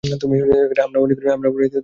আমরা মনে করি, তুমি মিথ্যাবাদীদের অন্যতম।